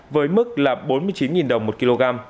với mức là bốn mươi chín đồng một kg